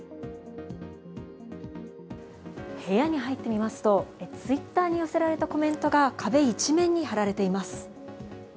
部屋に入ってみますと、ツイッターに寄せられたコメントが、壁一面に貼られています。